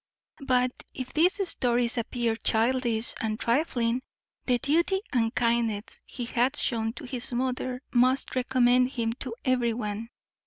But, if these stories appear childish and trifling, the duty and kindness he hath shewn to his mother must recommend him to every one.